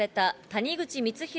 谷口光弘